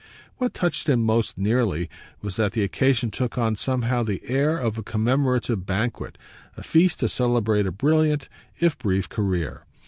What touched him most nearly was that the occasion took on somehow the air of a commemorative banquet, a feast to celebrate a brilliant if brief career.